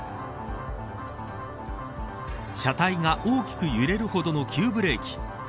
車体が大きく揺れるほどの急ブレーキ。